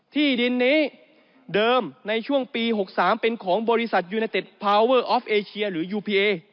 ที่ดินนี้เดิมในช่วงปี๖๓เป็นของบริษัทยูเนเต็ดพาวเวอร์ออฟเอเชียหรือยูพีเอ